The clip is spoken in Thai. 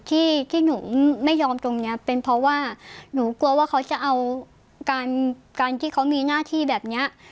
ที่ที่หนูไม่ยอมตรงนี้เป็นเพราะว่าหนูกลัวว่าเขาจะเอาการที่เขามีหน้าที่แบบเนี้ย